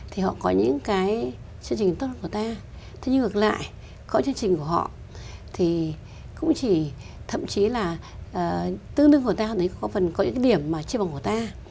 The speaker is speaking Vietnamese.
thì họ có những chương trình tốt lắm của ta thế nhưng ngược lại có chương trình của họ thì cũng chỉ thậm chí là tương đương của ta có những điểm mà chưa bằng của ta